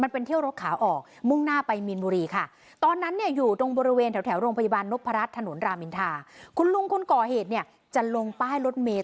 โปรดติดตามตอนต่อไป